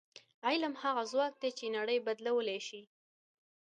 علم هغه ځواک دی چې نړۍ بدلولی شي.